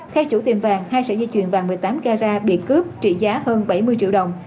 theo chủ tiệm vàng hai sợi dây chuyền vàng một mươi tám carat bị cướp trị giá hơn bảy mươi triệu đồng